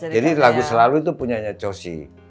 jadi lagu selalu itu punyanya cossi